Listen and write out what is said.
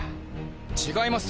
違います